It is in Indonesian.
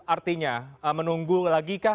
artinya menunggu lagi kah